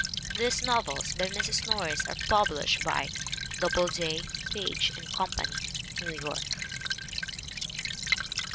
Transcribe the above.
These novels by Mrs. Norris are published by Doubleday, Page & Company, New York.